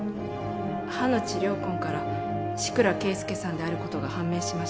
歯の治療痕から志倉啓介さんである事が判明しました。